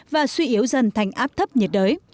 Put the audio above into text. và suy yếu dần thành áp thấp nhiệt đới